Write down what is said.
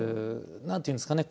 何て言うんですかね